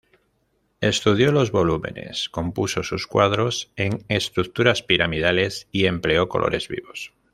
Estudió los volúmenes, compuso sus cuadros en estructuras piramidales y empleó colores vivos.